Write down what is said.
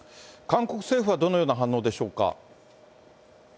韓国政府はどのような反応でしょうか。